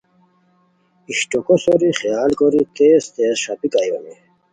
اشٹوکو سوری خیال کوری تیز تیز ݰاپیک اویونی